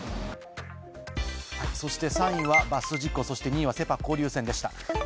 そして３位はバス事故、そして２位はセ・パ交流戦でした。